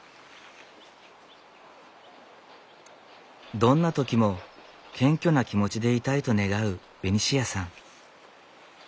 どんな時も謙虚な気持ちでいたいと願うベニシアさん。